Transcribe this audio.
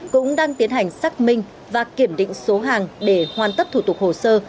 cũng đang tiến hành xác minh và kiểm định số hàng để hoàn tất thủ tục hồ sơ